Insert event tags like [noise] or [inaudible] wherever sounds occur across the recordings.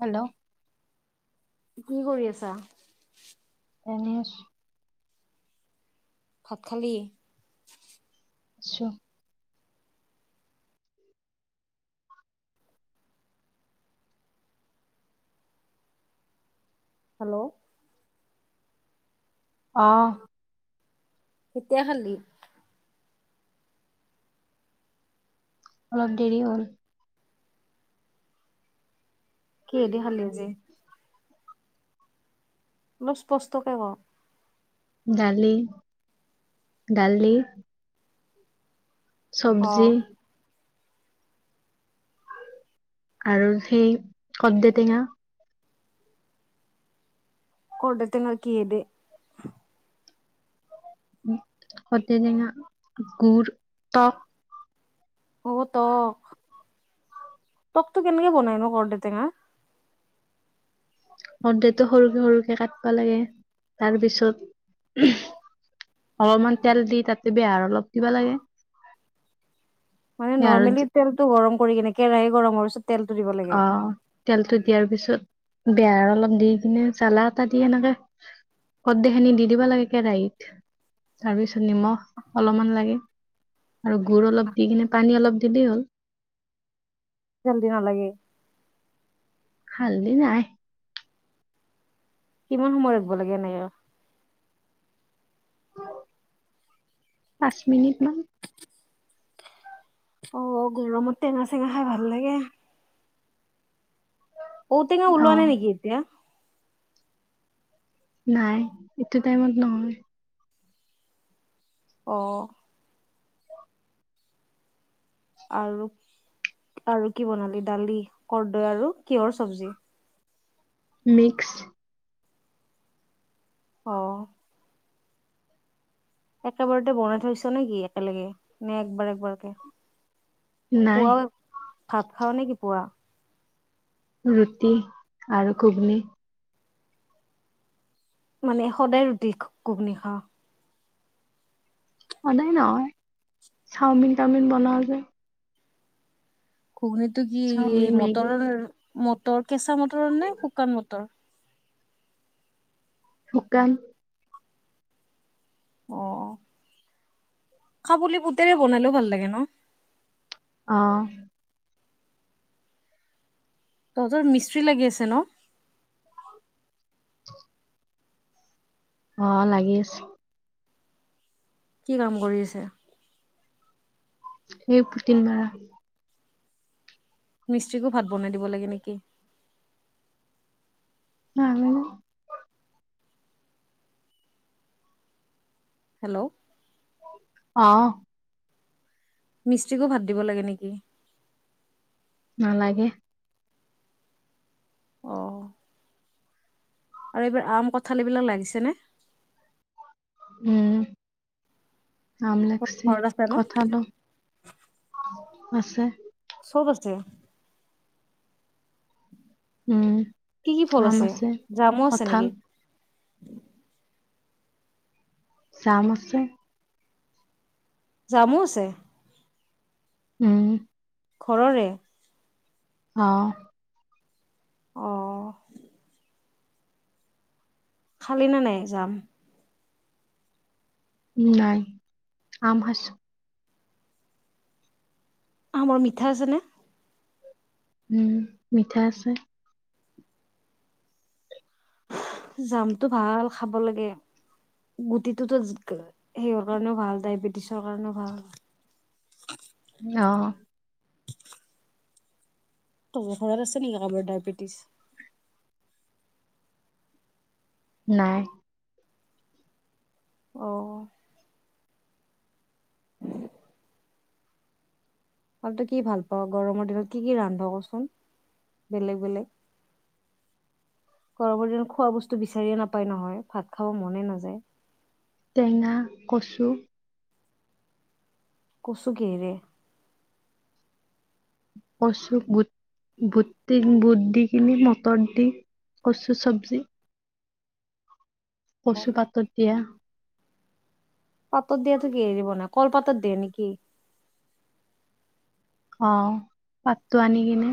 Hello? কি কৰি আছা। এনে আছোঁ। ভাত খালী? খাইছো। হেল্ল'? আহ। কেতিয়া খালি? অলপ দেৰি হ'ল। কিহে দি খালি আজি? অলপ স্পষ্টকে ক'। ডালি, ডালি। অ'। চব্জি আৰু সেই কদ্দে টেঙা। কৰডে তেঙাৰ কিহেদি? কদ্দে তেঙা, গুড়, টক। অ', টক টকটো কেনেকে বনাইনো কৰৰ্দে টেঙা? কদ্দেটো সৰুকে সৰুকে কাটিবা লাগে তাৰপিছত অলপমান তেল দি তাতে বেহাৰ অলপ দিবা লাগে। মানে বেহাৰত নৰ্মেলি তেলটো গৰম কৰি কেনে কেৰাহী গৰম হোৱাৰ পিছত তেলটো দিব লাগে। অ', তেলটো দিয়াৰ পিছত তাৰ পিছত বেহাৰ অলপ দি কিনে জালা এটা দি এনেকে কৰ্দেখিনি দি দিব লাগে কেৰাহীত তাৰপিছত নিমখ অলপমান লাগে আৰু গুড় অলপ দি কিনে পানী অলপ দিলেই হ'ল। জলদি নালাগে। হালদি নাই। কিমান সময় লখিব লাগে নাই আৰু? পাঁচ মিনিট মান। অ', গৰমত টেঙা চেঙা খাই ভাল লাগে। ঔটেঙা অ উলোৱা নাই নেকি এতিয়া? নাই, এইটো টাইমত নহয়। অ'। আৰু, আৰু কি বনালি দালি, কৰদৈ আৰু কিহৰ চব্জি? মিক্স। অ'। একেবাৰতে বনাই থৈছ নে কি, একেলগে, নে একবাৰ একবাৰকে। নাই। পুৱাও ভাত খাও নে কি পুৱা? ৰুটি আৰু ঘুগনি। মানে সদায় ৰুটি ঘূগনি খাৱ? সদায় নহয় চাওমিন তাওমিন বনোৱা যাই। ঘুগনিটো কি চাওমিন মেগী মটৰৰ মটৰ, কেঁচা মটৰৰ নে শুকান মটৰ? শুকান। অ'। কাবুলি বুতেৰে বনালেও ভাল লাগে ন? অ'। তহঁতৰ মিস্ত্ৰী লাগি আছে ন? [inaudible] অ', লাগি আছে। কি কাম কৰি আছে? সেই পুটিন মাৰা। মিস্ত্ৰীকো ভাত বনাই দিব লাগে নেকি? হ হেল্ল' অ। মিস্ত্ৰীকো ভাত দিব লাগে নেকি? নালাগে। অ। আৰু এইবাৰ আম, কঠাল এইবিলাক লাগিছেনে? উম। আম লাগছি, ঘৰত আছে ন কঠালো আছে। চব আছে। উম। কি, কি ফল আছে? জামো আছে কঠাল নেকি? জাম আছে। জামো আছে? উম। ঘৰৰে। অ। অ খালি নে নাই জাম? নাই। আম খাইছোঁ। আমৰ মিঠা আছে না? উম, মিঠা আছে। জামটো ভাল। খাব লাগে। গুটিটোতো সেইৰ কাৰণেও ভাল ডায়বেটিছৰ কাৰণেও ভাল। অঅ। তোৰ ঘৰত আছে নেকি কাৰোবাৰ ডায়বেটিছ? নাই। অ। আৰু তই কি ভাল পা? গৰমৰ দিনত কি-কি ৰান্ধা কচোন, বেলেগ-বেলেগ। গৰমৰ দিনত খোৱা বস্তু বিচাৰিয়ে নাপায় নহয়। ভাত খাব মনে নাযায়। টেঙা, কচু। কচু কিহেৰে? কচু বুট, বুট, বুট দি কিনি, মটৰ দি কচু চব্জি। কচু পাতত দিয়া। পাতত দিয়াটো কিহেৰে বনা? কলপাতত দিয়ে নেকি? অ, পাতটো আনি কিনে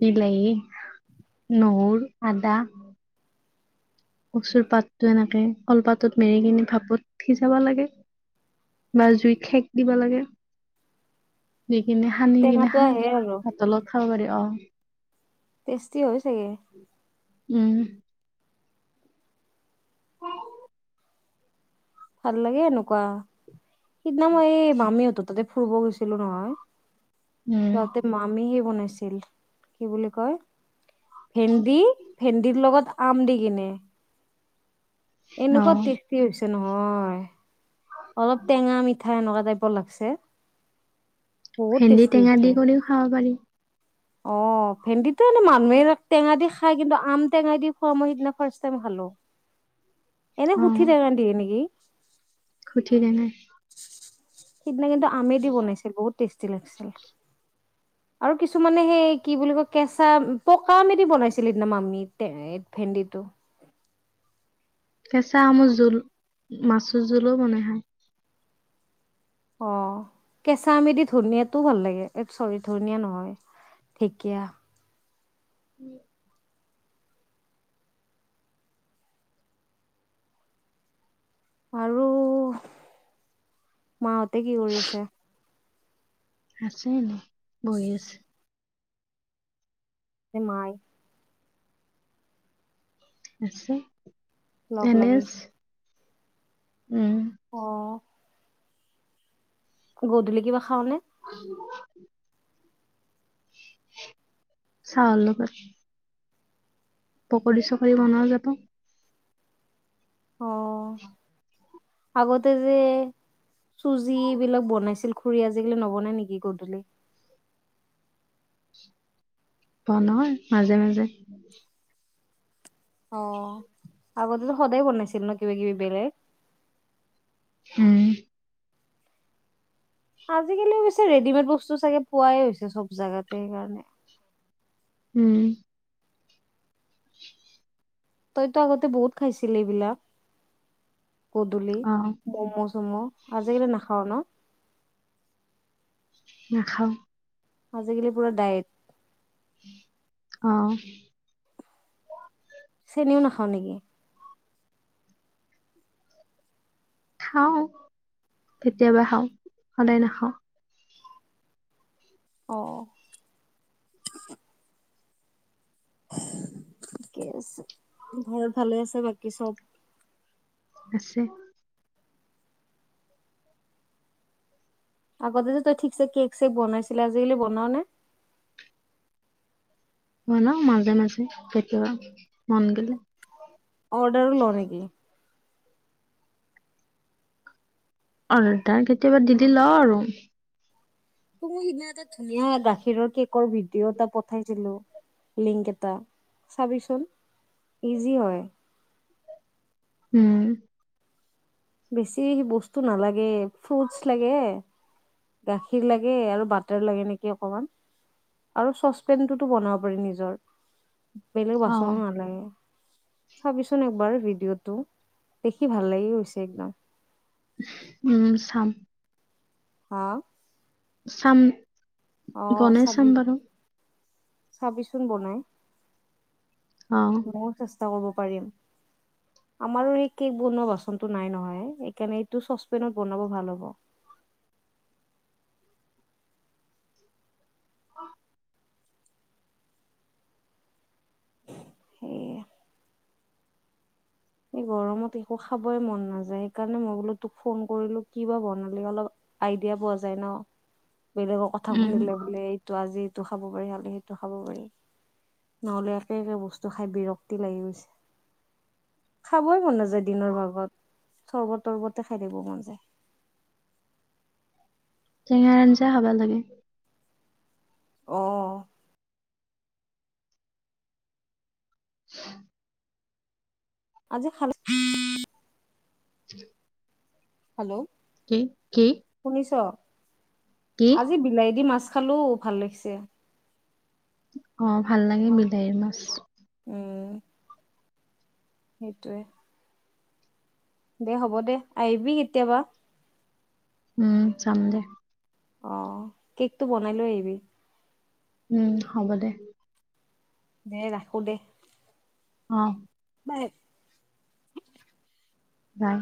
বিলাহী, নহৰু, আদা কচুৰ পাতটো এনেকে কলপাতত মেৰি কিনে ভাপত সিজাব লাগে বা জুইত খেক দিবা লাগে। স কিনে সানি কিনে টেঙাটো খাং। আহে আৰু ভাতৰ লগত খাব পাৰি। অ। টেষ্টি হয়। চাগে উম। [inaudible] ভাল লাগে এনেকুৱা সিদনা খন মই এই মামীহঁতৰ তাতে ফুৰব' গৈছিলো নহয়। উম যাওঁতে মামী হেই বনাইছে। কি বুলি কয় ভেন্দি ভেন্দিৰ লগত আম দি কিনে। অ এনকোবা তেছতি হয়ছে। চে নহয়। অলপ টেঙা মিঠা এনেকুৱা টাইপৰ লাগছে। বহুত ভেন্দি টেষ্টি টেঙা হৈছে দি কৰিও খাব পাৰি। অ ভেন্দিটো এনে মানুহে টেঙা দি খাই কিন্তু আম টেঙা দি খোৱা মই সিদিনা ফাৰচ টাইম খালো। এনে অ সুঠি টেঙা দিয়ে নেকি? খুঠি টেঙাৰ। [inaudible] সিদিনা কিন্ত আমেদি বনাইছিল বহুত টেষ্টি লাগছিল আৰু কিছুমানে সেই কি বুলি কয় কেঁচা পকা আমদি বনাইছিল মামি ভেনদি তো। কেঁচা আমৰ জোল মাছুৰ জোলো বনাই খায়। অ কেঁচা আমেদি ধনিয়াতো টোৱ ভাল লাগে চৰি ধনিয়া নহয় ঢেকীয়া। [inaudible] আৰু মাহঁতে কি কৰি আছে? আছে নাই? বহি আছে। মাই আছে। লগ এনে লাগি আছে। উম। অ। গধূলি কিবা খাওঁনে? [inaudible] চাহৰ লগত। পকৰী চকৰি বনোৱা যাব। অ। [inaudible] আগতে যে চুজি বিলাক বনাইছিল খুৰী আজিকালি নবনাই নেকি গধূলি? বনয় মাজে মাজে। অ আগতেতো সদায় বনাইছিল ন কিবা কিবি বেলেগ? উম। আজালি অবছে ৰেডিমেড বস্তু চাগে পোৱাই হৈছে চব জাগাতে। উম। তইতো আগতে বহুত খাইছিল এইবিলাক? গধুলি অ ম'ম চমু আজিকালি নাখাও ন নাখাওঁ। আজিকালি পুৰা ডাইট। অ হয় নেকি। খাও কেতিয়াবা খাও সদায় নাখাও। আহ থিকে আছে ঘৰত ভালে আছে বাকী চব আছে আগতে যে তই ঠিকছে কেক চেক বনাইছিলি আজি কালি বনাঅ নে? হ ন মাজে মাজে কেতিয়াবা মন গলে। অৰ্ডাৰো ল নেকি? অৰ্ডাৰ কেতিয়াবা দি দিল লও আৰু ত সেইদিনা তাত ধুনীয়া গাখীৰৰ কেকৰ ভিডিঅ' এটা পঠাইছিলো। লিংক এটা চাবিচোন ইজি হয়। উম। বেছি বস্তু নালাগে ফ্ৰুটচ লাগে গাখীৰ লাগে আৰু বাটাৰ লাগে নেকি অকমান আৰু চচপেনটোতো বনাব পাৰি নিজৰ। বেলেগ অ বাচনো নালাগে। চাবিচোন একবাৰ ভিডিঅ'তটো দেখি ভাল লাগি গৈ হৈছে একদম উম চাম। হ চাম বনাই চাম চাবি বাৰু চাবিচোন বনাই অ মও চেছ কৰিব পাৰিম আমাৰো এই কেক বনোৱা বাচন নাই নহয় সেইকাৰণে এইটো চচপেনত বনাব ভাল হ'ব। অ সেয়ে এই গৰমত একো খাবই মন নাযায় সেইকাৰণে মই বোলো তোক ফোন কৰিলো ক বা বনালি অলপ আইডিয়া পোৱা যায় ন। বেলেগৰ কথা উম শুনিলে বোলে এইটো আজি। টো খাব পাৰি হ'লে সেইটো খাব পাৰি নহ'লে একে একে বস্তু খাই বিৰক্তি লাগি গৈছে। খাবই মন নাযায় দিনৰ ভাগত চৰ্বত তৰ্বতে খাই থাকিব মন যায়। টেঙাৰ আঞ্জা খাব লাগে। আহ। আজি খালে। হেল্ল' কি কি শুনিছ। কি? আজি বিলাহী দি মাছ খালো ভাল লাগিছে। অ ভাল লাগে বিলাহীৰ মাছ। অঁ সেইটোৱে দে হ'ব দে আহিবি কেতিয়াবা উম জাম দে অ কেকটো বনাই লৈ আহিবি উম হ'ব দে। দে ৰাখো দে। অ। বাই। বাই।